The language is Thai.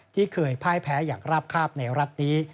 ที่เคยพ่ายแพ้อย่างราบคาบในรัฐนี้